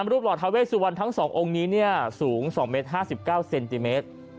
รูปหล่อเทาเวสุวรรณทั้งสององค์นี้เนี่ยสูง๒เมตร๕๙เซนติเมตร